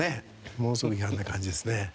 ものすごく違反な感じですね。